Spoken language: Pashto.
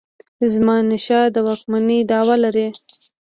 د زمانشاه د واکمنی دعوه لري.